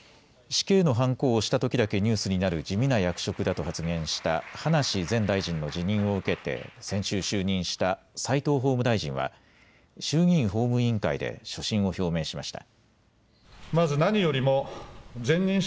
死刑のはんこを押したときだけニュースになる地味な役職だと発言した葉梨前大臣の辞任を受けて先週、就任した齋藤法務大臣は衆議院法務委員会で所信を表明しました。